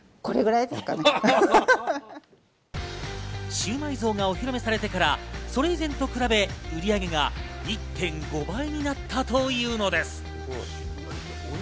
シウマイ像がお披露目されてから、それ以前と比べ、売り上げが１．５倍になったというのです。